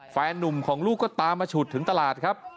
แฟนนุ่มของลูกก็ตามมาฉุดถึงตลาดครับ